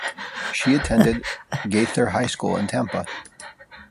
She attended Gaither High School in Tampa.